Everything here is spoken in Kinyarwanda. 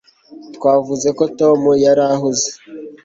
wavuze ko tom yari ahuze